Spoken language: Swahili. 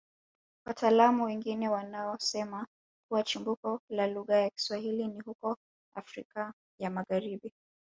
Wataalamu wengine wanaosema kuwa chimbuko la lugha ya Kiswahili ni huko Afrika ya Magharibi